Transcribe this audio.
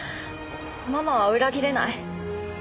ママは裏切れない。